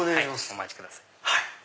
お待ちください。